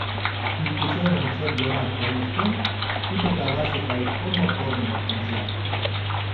Кидкучемым чот гына кормыжтен, тудо кавасе Кайыккомбо корным онча.